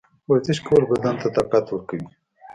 ورزش کول بدن ته طاقت ورکوي.